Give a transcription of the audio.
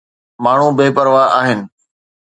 ماڻهو بي پرواهه آهن.